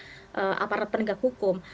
penindakan yang dilakukan oleh aparat pendegak hukum